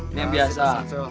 ini yang biasa